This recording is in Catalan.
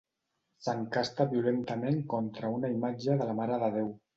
S'encasta violentament contra una imatge de la marededéu.